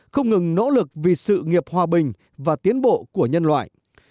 không ngừng nỗ lực vì sự nghiệp hòa bình và tiến bộ của nhân loại